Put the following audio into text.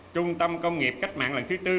trung tâm công nghiệp cách mạng lần thứ tư